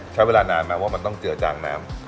ใช้เวลานานมาว่ามันต้องเจือจางน้ำ